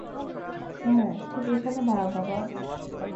হ্যাঁ, ঠিক এখানে দাঁড়াও বাবা।